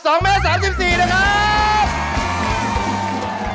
สองเมตรสามสิบสี่นะครับ